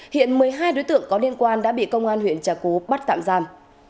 hiện một mươi hai đối tượng có liên quan đã bị công an huyện trà cú bắt tạm giam